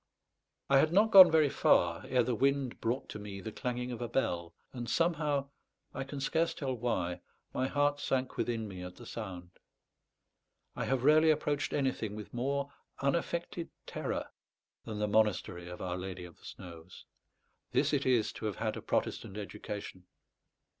I had not gone very far ere the wind brought to me the clanging of a bell, and somehow, I can scarce tell why, my heart sank within me at the sound. I have rarely approached anything with more unaffected terror than the monastery of Our Lady of the Snows. This it is to have had a Protestant education.